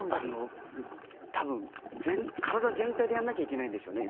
多分、体全体でやらなきゃいけないんでしょうね。